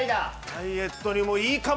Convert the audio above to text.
ダイエットにもいいかも。